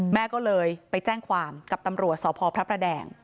แม่ก็เลยไปแจ้งความกับตำรวจสพพระประแดง